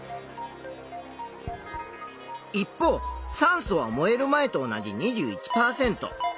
一方酸素は燃える前と同じ２１％。